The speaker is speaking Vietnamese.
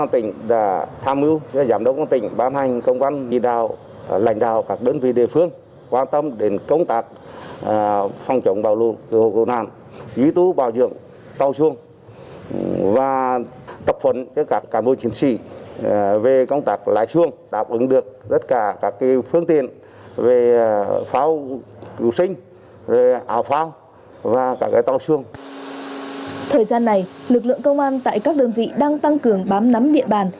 thời gian này lực lượng công an tại các đơn vị đang tăng cường bám nắm địa bàn